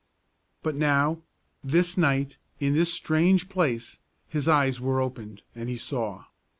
But now, this night, in this strange place, his eyes were opened, and he saw.